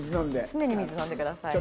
常に水飲んでください。